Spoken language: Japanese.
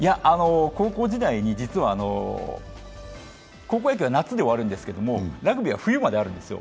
高校時代に、実は、高校野球は夏で終わるんですけどラグビーは冬まであるんですよ。